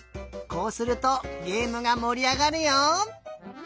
こうするとげえむがもりあがるよ！